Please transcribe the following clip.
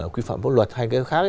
quy phạm pháp luật hay cái khác